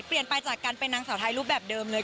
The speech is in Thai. เปลี่ยนไปจากการเป็นนางสาวไทยรูปแบบเดิมเลย